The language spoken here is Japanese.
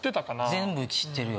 全部知ってるよ